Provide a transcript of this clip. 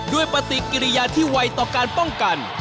ปฏิกิริยาที่ไวต่อการป้องกัน